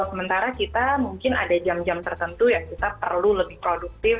sementara kita mungkin ada jam jam tertentu ya kita perlu lebih produktif